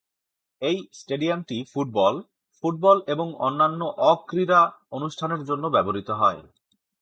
এই স্টেডিয়ামটি football, football এবং অন্যান্য অ-ক্রীড়া অনুষ্ঠানের জন্য ব্যবহৃত হয়।